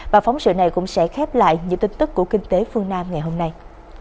và phóng sự này cũng sẽ khép lại những tin tức của kinh tế phương nam ngày hôm nay